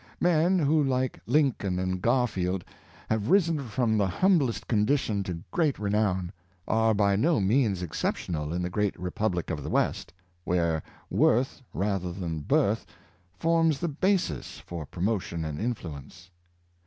Men, who like Lincoln and Garfield, have risen from the humblest condition to great renown, are by no means exceptional in the great Republic of the West, where worth rather than birth forms the basis for promotion and influence.